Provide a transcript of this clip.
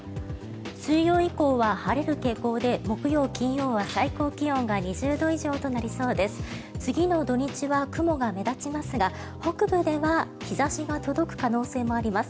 水曜以降は晴れる傾向で木曜、金曜は最高気温が２０度以上となりそうです。